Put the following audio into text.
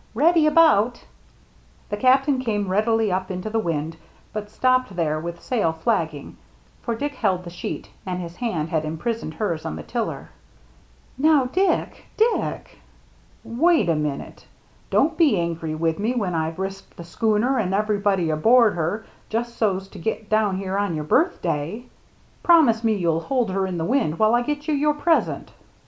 Ready about !" The Captain came rapidly up into the wind, but stopped there with sail flapping ; for Dick held the sheet, and his hand had imprisoned hers on the tiller. " Now, Dick — Dick —"" Wait a minute. Don't be angry with me when I've risked the schooner and everybody aboard her just so's to get down here on your birthday. Promise me you'll hold her in the wind while I get you your present."